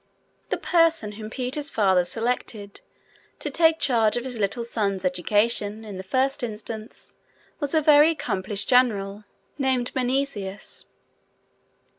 The person whom Peter's father selected to take charge of his little son's education, in the first instance, was a very accomplished general named Menesius.